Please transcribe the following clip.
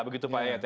begitu pak eet